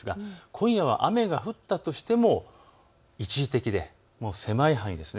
今夜は雨が降ったとしても一時的で狭い範囲です。